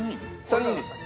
３人です。